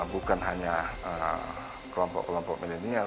bukan hanya kelompok kelompok milenial